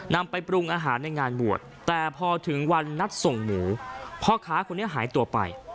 นำไปปรุงอาหารในงานบวชแต่พอถึงวันนัดส่งหมูพ่อค้าคนนี้หายตัวไป